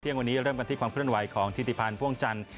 เที่ยงวันนี้เริ่มกันที่ความเครื่องไวของทิศติฟันพ่วงจันทร์